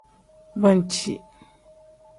Banci.